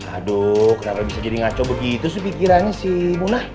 aduh kenapa bisa jadi ngaco begitu sih pikirannya si munah